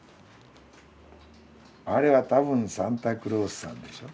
「あれはたぶんサンタクロースさん」でしょう。